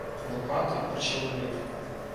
Лопата почервонів.